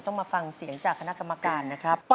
ต้องมาฟังเสียงจากคณะกรรมการนะครับ